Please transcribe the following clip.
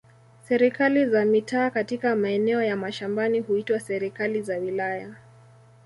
Serikali za mitaa katika maeneo ya mashambani huitwa serikali za wilaya.